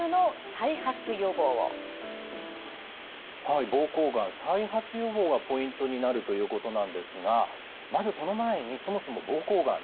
はい膀胱がん再発予防がポイントになるということなんですがまずその前にそもそも膀胱がん